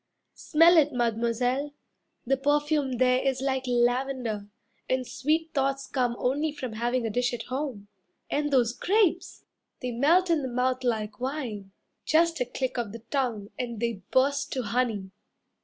"Smell it, Mademoiselle, the perfume there Is like lavender, and sweet thoughts come Only from having a dish at home. And those grapes! They melt in the mouth like wine, Just a click of the tongue, and they burst to honey.